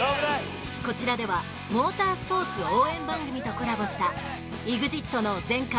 こちらではモータースポーツ応援番組とコラボしたＥＸＩＴの全開！！